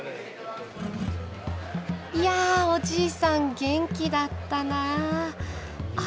いやおじいさん元気だったなあ。